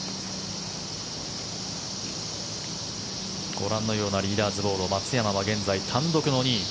ご覧のようなリーダーズボード松山は現在単独の２位。